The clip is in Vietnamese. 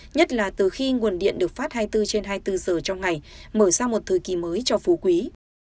nhất là từ khi nguồn điện được phát hai mươi bốn trên hai mươi bốn giờ trong ngày mở ra một thời kỳ mới cho phú quý